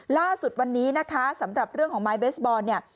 ล่าสุดวันนี้นะคะสำหรับเรื่องของไม้เบสบอลเนี่ย